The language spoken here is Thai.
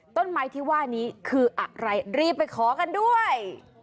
ต้นไม้ที่ว่านี้คืออะไรรีบไปขอกันด้วย